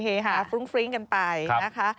หาฟรุ้งฟริ้งกันไปนะคะ